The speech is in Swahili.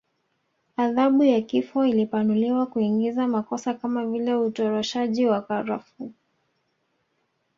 Adhabu ya kifo ilipanuliwa kuingiza makosa kama vile utoroshaji wa karafuu